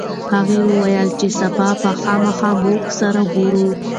هغه وویل چې سبا به خامخا موږ سره وګوري.